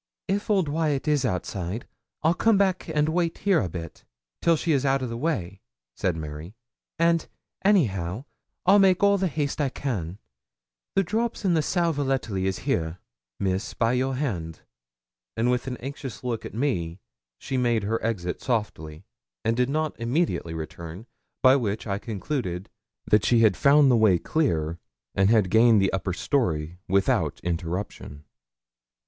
'If old Wyat is outside, I'll come back and wait here a bit, till she's out o' the way,' said Mary; 'and, anyhow, I'll make all the haste I can. The drops and the sal volatile is here, Miss, by your hand.' And with an anxious look at me, she made her exit, softly, and did not immediately return, by which I concluded that she had found the way clear, and had gained the upper story without interruption.